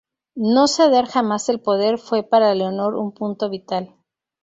No ceder jamás el poder fue para Leonor un punto vital.